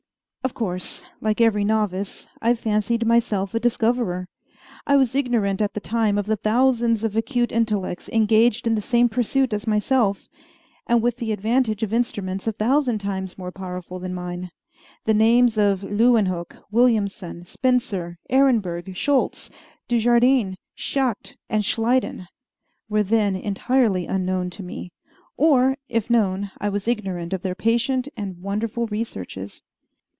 Of course, like every novice, I fancied myself a discoverer. I was ignorant at the time of the thousands of acute intellects engaged in the same pursuit as myself, and with the advantage of instruments a thousand times more powerful than mine. The names of Leeuwenhoek, Williamson, Spencer, Ehrenberg, Schultz, Dujardin, Schact, and Schleiden were then entirely unknown to me, or, if known, I was ignorant of their patient and wonderful researches.